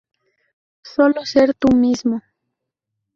Solo ser tú mismo".